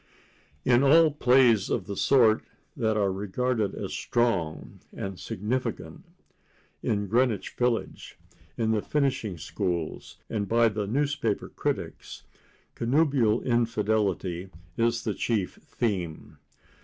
In all plays of the sort that are regarded as "strong" and "significant" in Greenwich Village, in the finishing schools and by the newspaper critics, connubial infidelity is the chief theme.